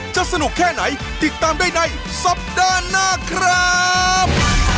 สนุกแค่ไหนติดตามได้ในสัปดาห์หน้าครับ